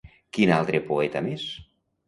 Quin altre poeta més?